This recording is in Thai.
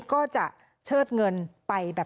ก็จะเชิดเงินไป